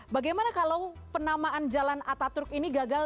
bagaimana kalau penamaan jalan ataturk ini gagal